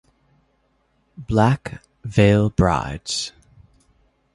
Black Veil Brides